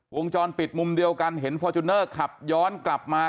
วงจรปิดมุมเดียวกันเห็นฟอร์จูเนอร์ขับย้อนกลับมา